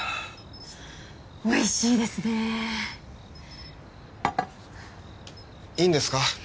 おいしいですねいいんですか？